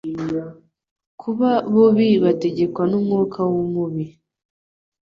kuba bubi bategekwa n'umwuka w'umubi.